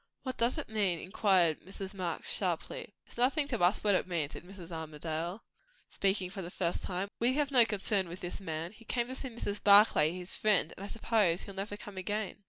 "What does it mean?" inquired Mrs. Marx sharply. "It is nothing to us what it means," said Mrs. Armadale, speaking for the first time. "We have no concern with this man. He came to see Mrs. Barclay, his friend, and I suppose he'll never come again."